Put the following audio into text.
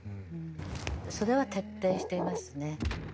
それは徹底していますね。